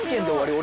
俺。